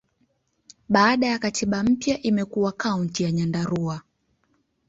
Baada ya katiba mpya, imekuwa Kaunti ya Nyandarua.